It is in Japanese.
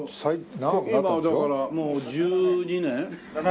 今だからもう１２年？